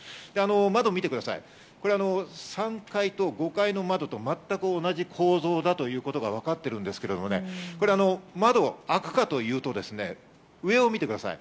窓を見てください、３階と５階の窓と全く同じ構造だということがわかってるんですけど、窓が開くかと言いますと上を見てください。